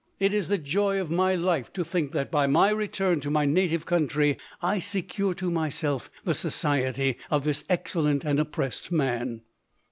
It is the joy of my life to think that by my return to my native country I secure to myself the society of this excellent and op pressed man."